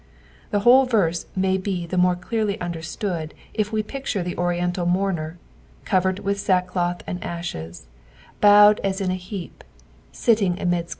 The whole verse may be the more clearly understood if we picture the Oriental monroer, covered with sackcloth and ashes, bowed as in a heap, sitting amid 223 EXPOSITIOKS OF TEE PSlUfS.